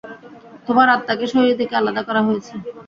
তোমার আত্মাকে শরীর থেকে আলাদা করা হয়েছে।